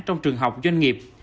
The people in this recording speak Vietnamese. trong trường học doanh nghiệp